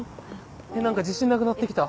えっ何か自信なくなってきた。